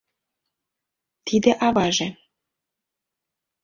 Тиде — аваже.